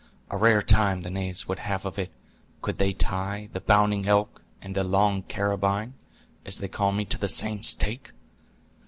A rare time the knaves would have of it, could they tie 'The Bounding Elk' and 'The Long Carabine', as they call me, to the same stake!